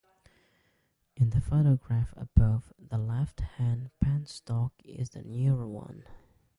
In the photograph above, the left-hand penstock is the newer one.